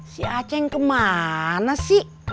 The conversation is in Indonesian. si aceh kemana sih